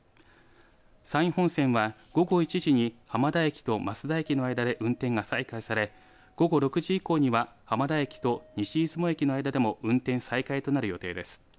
山陰本線は午後１時に浜田駅と益田駅の間で運転が再開され午後６時以降には浜田駅と西出雲駅の間でも運転再開となる予定です。